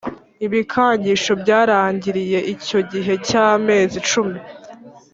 ibikangisho byarangiriye Icyo gihe cy amezi cumi